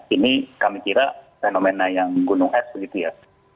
ini kami kira fenomena yang gunung es begitu ya